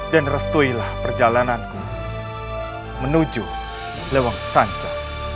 dan restuilah perjalananku menuju lewang sanca